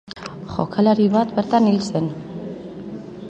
Jokalari bat bertan hil zen.